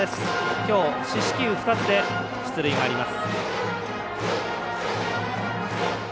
きょう四死球２つで出塁があります。